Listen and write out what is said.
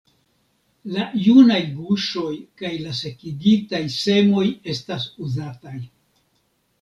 La junaj guŝoj kaj la sekigitaj semoj estas uzataj.